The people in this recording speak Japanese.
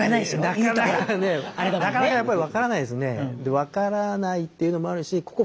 分からないっていうのもあるしあぁっ。